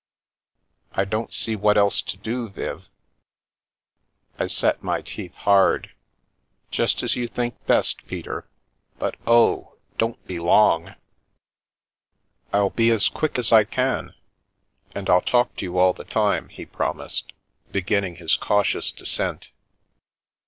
" I don't see what else to do, Viv." I set my teeth hard. "Just as you think best, Peter. But oh, don't be long!" " I'll be as quick as I can, and I'll talk to you all the time," he promised, beginning his cautious descent.